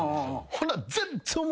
ほな。